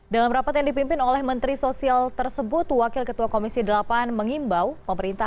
dalam rapat yang dipimpin oleh menteri sosial tersebut wakil ketua komisi delapan mengimbau pemerintah